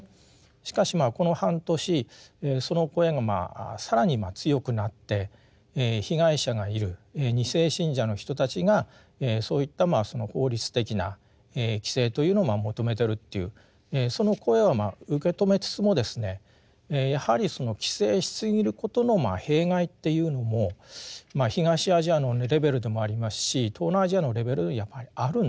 しかしまあこの半年その声が更に強くなって被害者がいる２世信者の人たちがそういった法律的な規制というのを求めてるというその声は受け止めつつもですねやはりその規制しすぎることの弊害っていうのも東アジアのレベルでもありますし東南アジアのレベルやっぱりあるんですよね。